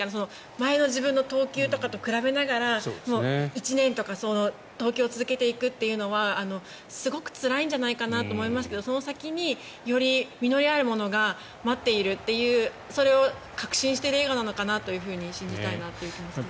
前の自分の投球と比べながら１年とか投球を続けていくのはすごくつらいんじゃないかなと思いますがその先に、より実りあるものが待っているというそれを確信している笑顔なのかなと信じたいなという気持ちがします。